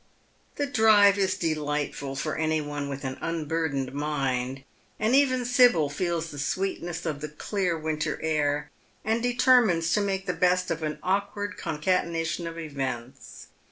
The drive is delightful for any one with an unburdened mind, and even Sibyl feels the sweetness of the clear winter air, and determines to make the best of an awkward concatenation of events.